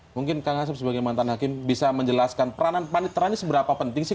mungkin kak ngasep sebagai mantan hakim bisa menjelaskan peranan panitera ini seberapa penting sih